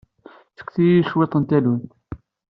Fket-iyi cwiṭ n tallunt.